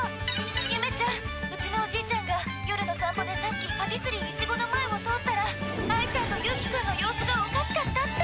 ゆめちゃんうちのおじいちゃんが夜の散歩でさっきパティスリーイチゴの前を通ったら亜衣ちゃんと勇気くんの様子がおかしかったって。